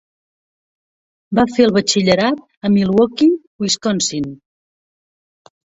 Va fer el batxillerat a Milwaukee, Wisconsin.